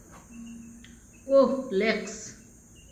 ওহ, লেক্স।